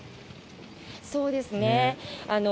そうですね。